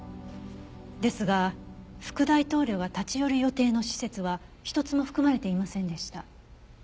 ですが副大統領が立ち寄る予定の施設は一つも含まれていませんでした。